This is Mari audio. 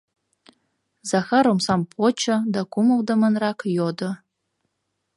Захар омсам почо да кумылдымынрак йодо: